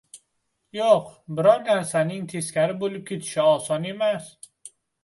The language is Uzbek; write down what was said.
Yo‘q, biror narsaning teskari bo‘lib ketishi oson emas.